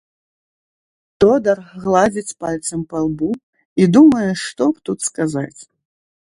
Тодар гладзіць пальцам па лбу і думае, што б тут сказаць.